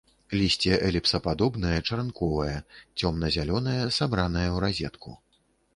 Лісце эліпсападобнае, чаранковае, цёмна-зялёнае, сабранае ў разетку.